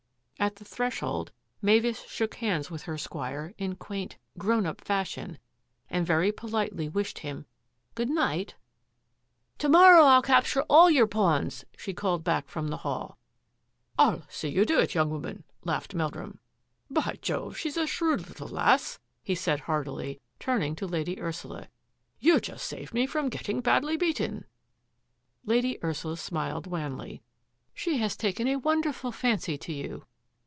At the threshold Mavis shook hands with her squire in quaint " grown up " fashion, and very politely wished him " good night." " To morrow FU capture all your pawns !" she called back from the hall. " I'll see you do it, young woman !" laughed Meldrum. " By Jove, she's a shrewd little lass !" he said heartily, turning to Lady Ursula. " You just saved me from getting badly beaten." Lady Ursula smiled wanly. ^She has taken a wonderful fancy to you.